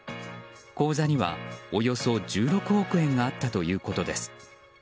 口座にはおよそ１６億円があったということです。